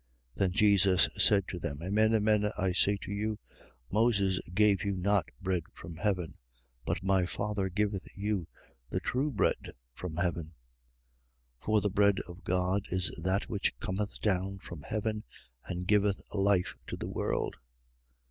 6:32. Then Jesus said to them: Amen, amen, I say to you; Moses gave you not bread from heaven, but my Father giveth you the true bread from heaven. 6:33. For the bread of God is that which cometh down from heaven and giveth life to the world.